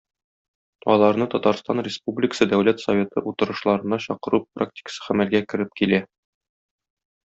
Аларны Татарстан Республикасы Дәүләт Советы утырышларына чакыру практикасы гамәлгә кереп килә.